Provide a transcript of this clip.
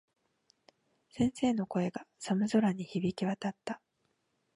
先生の声が、寒空に響き渡った。